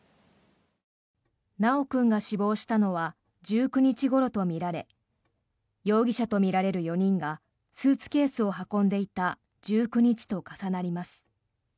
修君が死亡したのは１９日ごろとみられ容疑者とみられる４人がスーツケースを運んでいた１９日と重なります。